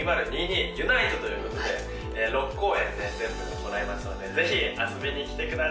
ＵＮＩＴＥということで６公演ね全部で行いますのでぜひ遊びに来てください